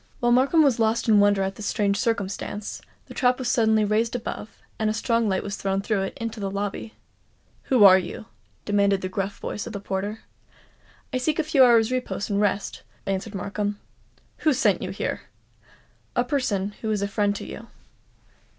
While Markham was lost in wonder at this strange circumstance, the trap was suddenly raised above, and a strong light was thrown through it into the lobby. "Who are you?" demanded the gruff voice of the porter. "I seek a few hours' repose and rest," answered Markham. "Who sent you here?" "A person who is a friend to you."